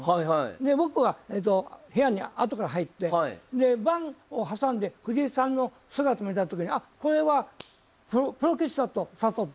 で僕は部屋に後から入って盤を挟んで藤井さんの姿見た時にあっこれはプロ棋士だと悟った。